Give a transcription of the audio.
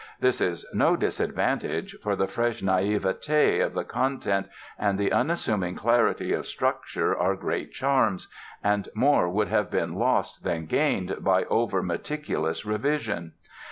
This is no disadvantage, for the fresh naiveté of the content and the unassuming clarity of structure are great charms, and more would have been lost than gained by overmeticulous revision.